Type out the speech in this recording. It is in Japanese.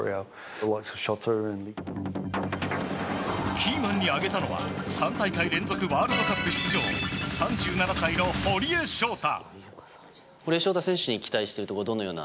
キーマンに挙げたのは３大会連続ワールドカップ出場３７歳の堀江翔太。